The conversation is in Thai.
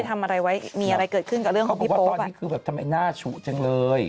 เขาบอกว่าตอนนี้คือแบบทำให้หน้าฉุกจังเลย